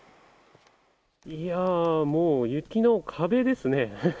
いやー、もう雪の壁ですね。